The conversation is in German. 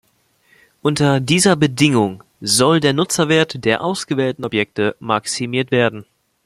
Unter dieser Bedingung soll der Nutzwert der ausgewählten Objekte maximiert werden.